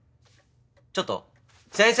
ちょっと先生！